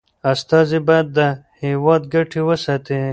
استازي باید د هیواد ګټي وساتي.